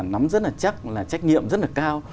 nắm rất là chắc là trách nhiệm rất là cao